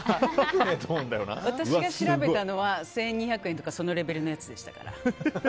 私が調べたのは１２００円とかそのレベルのやつでしたから。